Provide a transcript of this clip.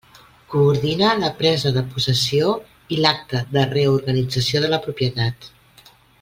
Coordina la presa de possessió i l'acta de reorganització de la propietat.